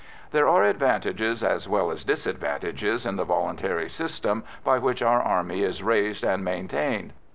There are advantages as well as disadvantages in the voluntary system by which our Army is raised and maintained.